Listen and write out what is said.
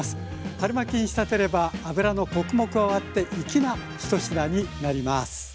春巻に仕立てればあぶらのコクも加わって粋な１品になります。